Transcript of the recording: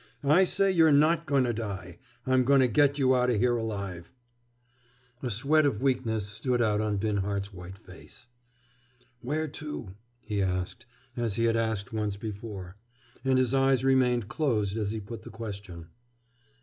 "I say you're not going to die. I'm going to get you out o' here alive!" A sweat of weakness stood out on Binhart's white face. "Where to?" he asked, as he had asked once before. And his eyes remained closed as he put the question.